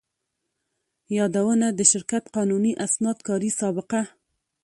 يادونه: د شرکت قانوني اسناد، کاري سابقه،